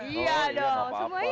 iya dong semuanya juga